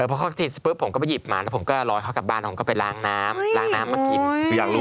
เพราะครอบคราวที่จิตผมก็ไปหยิบใหม่ผมก็รอยเขากลับบ้านผมก็ล้างน้ำมากิน